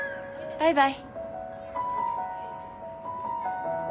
バイバイ。